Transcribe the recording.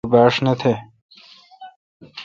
تو باݭ نہ تھ۔